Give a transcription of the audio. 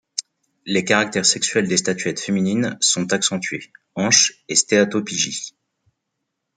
Les caractères sexuels des statuettes féminines sont accentués: hanches et stéatopygie.